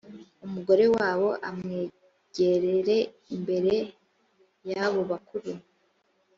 umugore wabo amwegerere imbere y abo bakuru